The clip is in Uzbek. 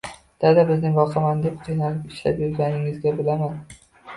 Dada, bizni boqaman deb qiynalib, ishlab yurganingizni bilaman